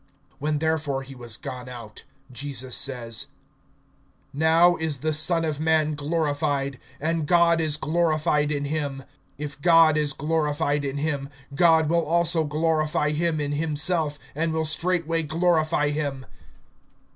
(31)When therefore he was gone out, Jesus says: Now is the Son of man glorified, and God is glorified in him. (32)If God is glorified in him, God will also glorify him in himself, and will straightway glorify him.